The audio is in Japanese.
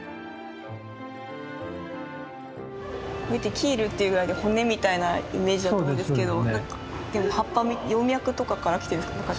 キールっていうぐらいで骨みたいなイメージだと思うんですけど葉っぱ葉脈とかからきてるんですか？